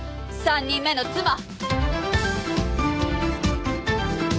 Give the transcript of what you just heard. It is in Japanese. ３人目の妻！